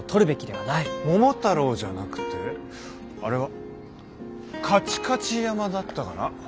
「桃太郎」じゃなくてあれは「かちかち山」だったかな。